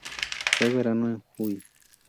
Fue venerado en Huy.